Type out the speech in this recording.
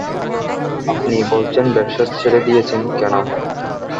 আপনি বলছেন ব্যবসা ছেড়ে দিয়েছেন, কেন?